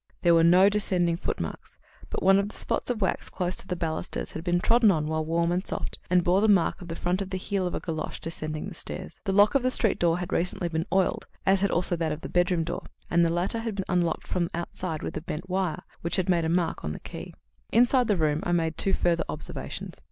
There were no descending footmarks, but one of the spots of wax close to the balusters had been trodden on while warm and soft, and bore the mark of the front of the heel of a golosh descending the stairs. The lock of the street door had been recently oiled, as had also that of the bedroom door, and the latter had been unlocked from outside with a bent wire, which had made a mark on the key. Inside the room I made two further observations.